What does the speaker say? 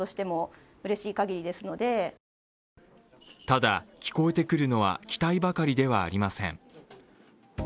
ただ、聞こえてくるのは期待ばかりではありません。